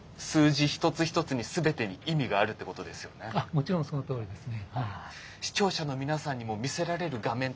もちろんそのとおりですね。